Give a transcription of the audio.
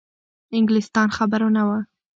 انګلیسیان خبر نه وه.